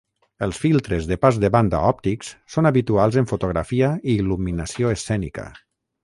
Els filtres de pas de banda òptics són habituals en fotografia i il·luminació escènica.